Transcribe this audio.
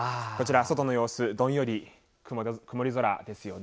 外の様子、どんより曇り空です。